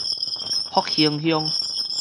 福興鄉